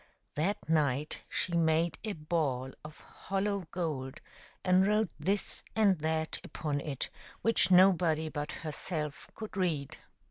That night she made a ball of hollow gold and wrote this and that upon it, which nobody but herself could read.